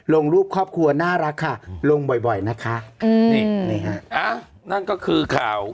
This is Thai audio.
ลงรูปครอบครัวน่ารักค่ะลงบ่อยบ่อยนะคะอืมนี่นี่ฮะนั่นก็คือข่าว